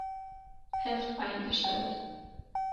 Heft eingestellt.